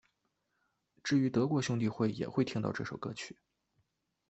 至于德国兄弟会也会听到这首歌曲。